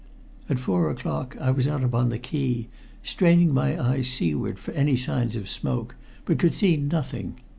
At four o'clock I was out upon the quay, straining my eyes seaward for any sign of smoke, but could see nothing.